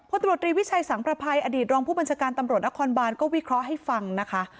ตรวจรีวิชัยสังประภัยอดีตรองผู้บัญชาการตำรวจนครบานก็วิเคราะห์ให้ฟังนะคะ